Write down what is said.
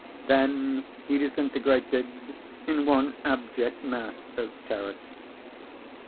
Then he disintegrated in one abject mass of terror.